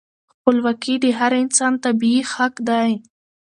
خپلواکي د هر انسان طبیعي حق دی.